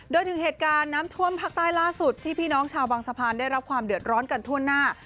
โดยถึงเหตุการณ์น้ำท่วมภาคใต้ล่าสุดที่พี่น้องชาวบางสะพานได้รับความเดือดร้อนกันทั่วหน้า